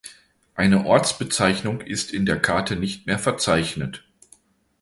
Eine Ortsbezeichnung ist in der Karte nicht mehr verzeichnet.